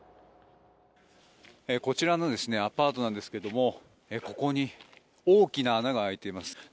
こちらのアパートなんですけれどもここに大きな穴が開いています。